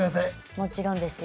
もちろんですよ。